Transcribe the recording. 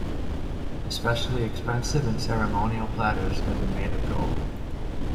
Especially expensive and ceremonial platters have been made of gold.